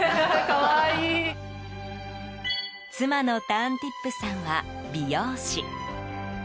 妻のターンティップさんは美容師。